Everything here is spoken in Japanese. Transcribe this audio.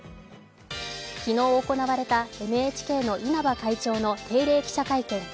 昨日行われたＮＨＫの稲葉会長の定例記者会見。